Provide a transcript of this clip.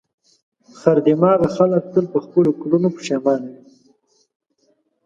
خر دماغه خلک تل پر خپلو کړنو پښېمانه وي.